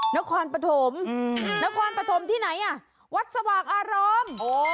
นครปฐมนครปฐมที่ไหนวัดสวากอารอม